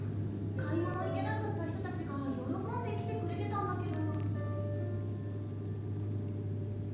買い物行けなかった人たちが喜んで来てくれてたんだけど。